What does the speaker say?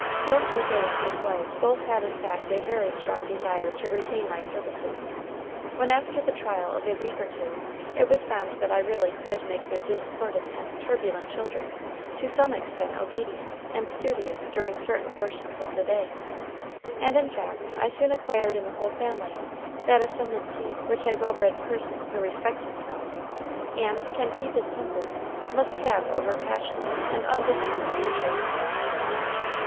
Don José and his wife both had in fact a very strong desire to retain my services, when after the trial of a week or two, it was found that I really could make their discordant and turbulent children to some extent obedient and studious during certain portions of the day; and in fact I soon acquired in the whole family that ascendancy which a well bred person who respects himself, and can keep his temper, must have over passionate and undisciplined natures.